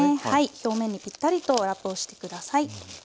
表面にぴったりとラップをして下さい。